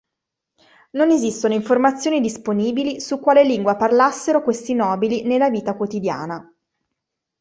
Non esistono informazioni disponibili su quale lingua parlassero questi nobili nella vita quotidiana.